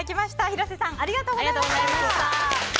広瀬さんありがとうございました。